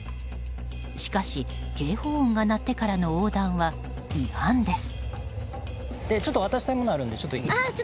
しかし警報音が鳴ってからの横断は違反です。